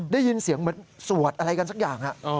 ได้ยินเสียงเหมือนสวดอะไรกันสักอย่าง